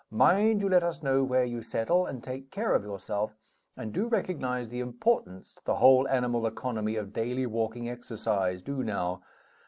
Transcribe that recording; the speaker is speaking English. Mind you let us know where you settle, and take care of yourself; and do recognize the importance to the whole animal economy of daily walking exercise do now!